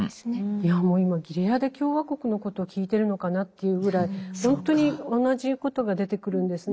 いやもう今ギレアデ共和国のことを聞いてるのかなというぐらいほんとに同じことが出てくるんですね。